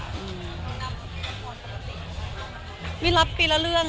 แฟนก็เหมือนละครมันยังไม่มีออนอะไรอย่างนี้มากกว่าไม่รับปีละเรื่องเองอ่ะ